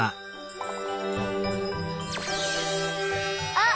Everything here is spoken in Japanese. あっ！